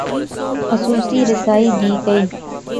خصوصی رسائی دی گئی